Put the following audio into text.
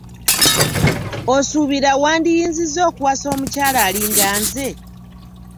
Osuubira wandiyinzizza okuwasa omukyala alinga nze?